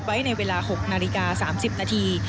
ไว้ในเวลา๖นาฬิกา๓๐นาที